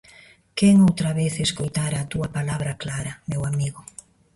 Quen outra vez escoitara a túa palabra clara, meu amigo.